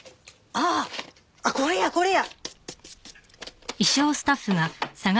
ああこれやこれや。